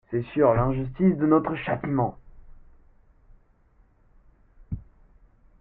c'est sur l'injustice de notre châtiment.